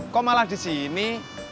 kok malah disini